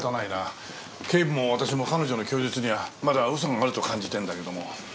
警部も私も彼女の供述にはまだ嘘があると感じてるんだけども。